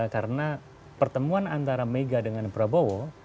karena pertemuan antara mega dengan prabowo